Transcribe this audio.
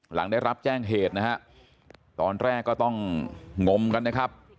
หลังได้รับแจ้งเหตุนะฮะตอนแรกก็ต้องงมกันนะครับ